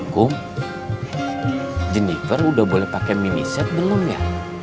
kom jennifer udah boleh pakai mini set belum ya